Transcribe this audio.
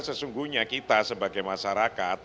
sesungguhnya kita sebagai masyarakat